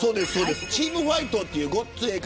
チームファイトというごっつええ